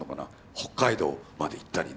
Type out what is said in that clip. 北海道まで行ったりね。